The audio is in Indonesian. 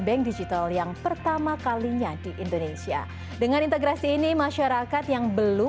bank digital yang pertama kalinya di indonesia dengan integrasi ini masyarakat yang belum